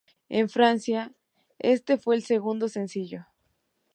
En Francia este fue el segundo sencillo.